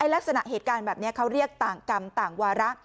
ลักษณะเหตุการณ์แบบนี้เขาเรียกต่างกรรมต่างวาระ